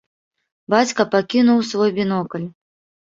Бацька пакінуў свой бінокль.